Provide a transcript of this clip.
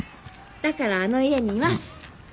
だからあの家にいます！